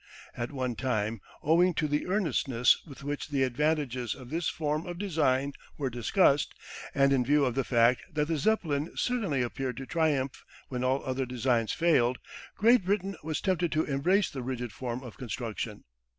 At one time, owing to the earnestness with which the advantages of this form of design were discussed, and in view of the fact that the Zeppelin certainly appeared to triumph when all other designs failed, Great Britain was tempted to embrace the rigid form of construction.